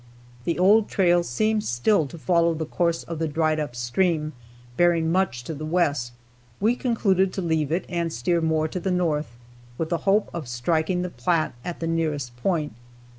The old trail seemed still to follow the course of the dried up stream, bearing much to the west. We concluded to leave it and steer more to the north with the hope of striking the Platte at the nearest point.